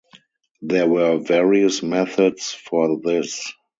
There were various methods for this.